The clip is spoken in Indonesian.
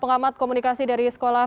pengamat komunikasi dari sekolah